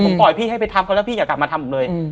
ผมปล่อยพี่ให้ไปทำเขาแล้วพี่อย่ากลับมาทำผมเลย